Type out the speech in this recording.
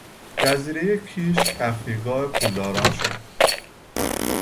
جزیرهی کیش تفریحگاه پولداران شد.